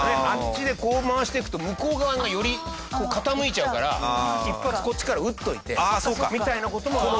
あっちでこう回していくと向こう側がより傾いちゃうから１発こっちから打っといてみたいな事も。